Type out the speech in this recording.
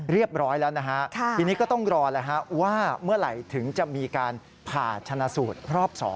เรียบร้อยแล้วนะฮะทีนี้ก็ต้องรอแล้วว่าเมื่อไหร่ถึงจะมีการผ่าชนะสูตรรอบ๒